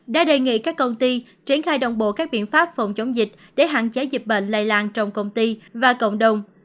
đã đề nghị các công ty triển khai đồng bộ các biện pháp phòng chống dịch để hạn chế dịch bệnh lây lan trong công ty và cộng đồng